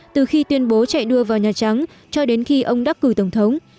từ khi tuyên bố chạy đua vào nhà trắng cho đến khi ông đắc cử tổng thống